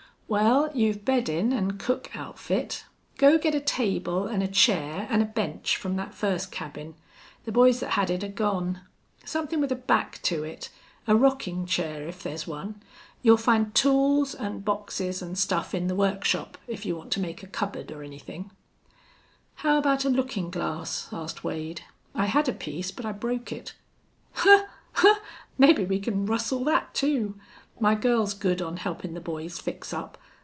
"Wal, you've beddin' an' cook outfit. Go get a table, an' a chair an' a bench from thet first cabin. The boys thet had it are gone. Somethin' with a back to it, a rockin' chair, if there's one. You'll find tools, an' boxes, an' stuff in the workshop, if you want to make a cupboard or anythin'." "How about a lookin' glass?" asked Wade. "I had a piece, but I broke it." "Haw! Haw! Mebbe we can rustle thet, too. My girl's good on helpin' the boys fix up.